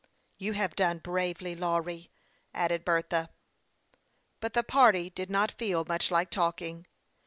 " You have done bravely, Lawry," added Bertha. But the party did not feel much like talking.